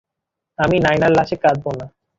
আমি নায়নার লাশে কাঁদবো না।